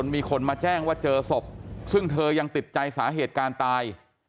มีคนมาแจ้งว่าเจอศพซึ่งเธอยังติดใจสาเหตุการตาย